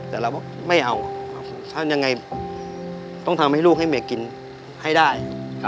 ต้องทำให้ลูกให้เมียกินให้ได้